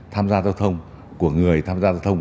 tham gia giao thông của người tham gia giao thông